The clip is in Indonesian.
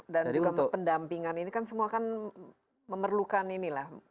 dan juga pendampingan ini kan semua kan memerlukan ini lah